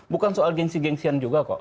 bukan soal gengsi gengsian juga kok